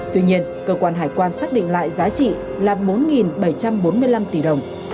tuy nhiên cơ quan hải quan xác định lại giá trị là bốn bảy trăm bốn mươi năm tỷ đồng